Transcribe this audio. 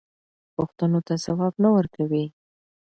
پوښتنو ته ځواب نه ورکوي.